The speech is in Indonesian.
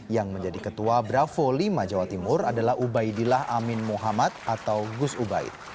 yang menjadi ketua bravo lima jawa timur adalah ubaidillah amin muhammad atau gus ubaid